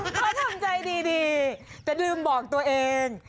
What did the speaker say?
เขาทำใจดีแต่ลืมบอกตัวเอง